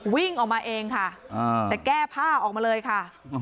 วิ่งออกมาเองค่ะแต่แก้ผ้าออกมาเลยค่ะ